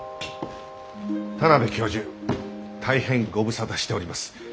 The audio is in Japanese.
田邊教授大変ご無沙汰しております。